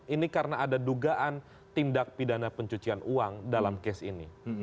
ini karena ada dugaan tindak pidana pencucian uang dalam kes ini